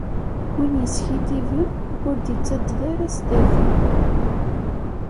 Win yeskiddiben, ur d-ittadded ara sdat-i.